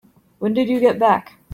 When did you get back?